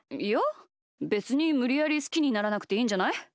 いやべつにむりやりすきにならなくていいんじゃない？